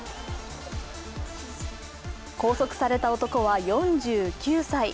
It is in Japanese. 拘束された男は４９歳。